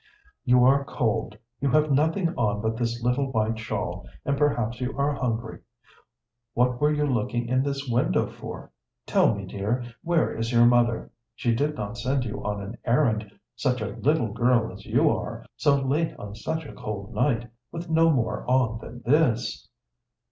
"You are cold, you have nothing on but this little white shawl, and perhaps you are hungry. What were you looking in this window for? Tell me, dear, where is your mother? She did not send you on an errand, such a little girl as you are, so late on such a cold night, with no more on than this?"